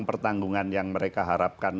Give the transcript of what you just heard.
pertanggungan yang mereka harapkan